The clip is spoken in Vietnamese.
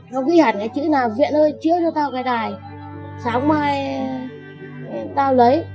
nó ghi hẳn cái chữ là viện ơi chiếu cho tao cái đài sáng mai tao lấy